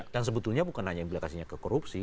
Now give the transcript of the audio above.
dan sebetulnya bukan hanya implikasinya ke korupsi